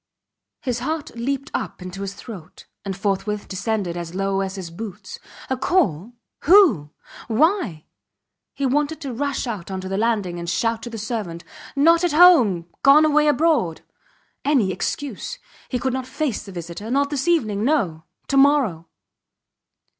His heart leaped up into his throat, and forthwith descended as low as his boots. A call! Who? Why? He wanted to rush out on the landing and shout to the servant: Not at home! Gone away abroad! ... Any excuse. He could not face a visitor. Not this evening. No. To morrow.